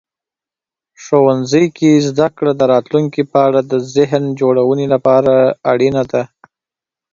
ښوونځي کې زده کړه د راتلونکي په اړه د ذهن جوړونې لپاره اړینه ده.